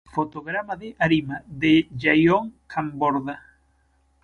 Fotograma de 'Arima', de Jaione Camborda.